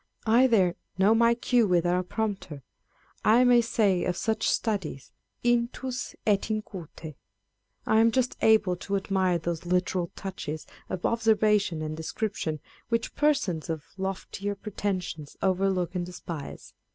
I there " know my cue without a prompter." I may say of such studies Intns et in cute* I am just able to admire those literal touches of observation and description which persons of loftier pretensions overlook and despise.